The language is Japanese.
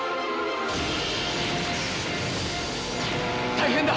大変だ！